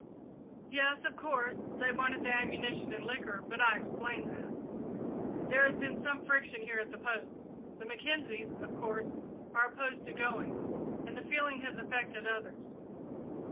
"Yes of course they wanted the ammunition and liquor, but I explained that. There has been some friction here at the post. The Mackenzies, of course, are opposed to going, and the feeling has affected others.